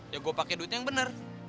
ya gue pake duitnya yang bener